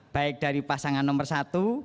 baik dari pasangan nomor satu